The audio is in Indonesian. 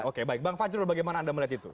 oke baik bang fajrul bagaimana anda melihat itu